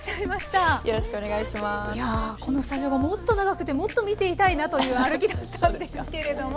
このスタジオがもっと長くてもっと見ていたいなという歩きだったんですけれども。